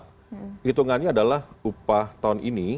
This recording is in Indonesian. hitungannya adalah upah tahun ini